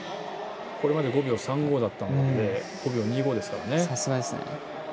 これまで５秒３５だったのが５秒２５ですからね。